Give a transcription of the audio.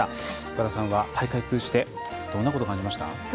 岡田さんは大会通じてどんなことを感じました？